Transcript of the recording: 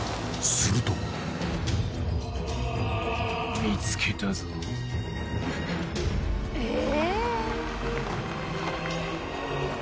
［すると］えっ？